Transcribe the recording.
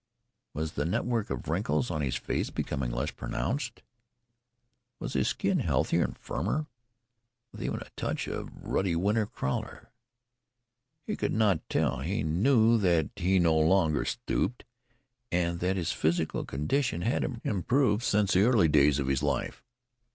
Was the network of wrinkles on his face becoming less pronounced? Was his skin healthier and firmer, with even a touch of ruddy winter colour? He could not tell. He knew that he no longer stooped, and that his physical condition had improved since the early days of his life.